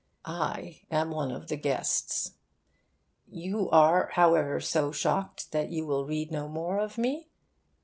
I am one of the guests. You are, however, so shocked that you will read no more of me?